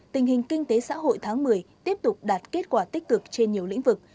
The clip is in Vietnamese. tình hình kinh tế xã hội tháng một mươi tiếp tục đạt kết quả tích cực trên nhiều lĩnh vực